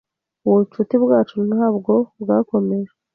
Ubucuti bwacu ntabwo bwakomeje.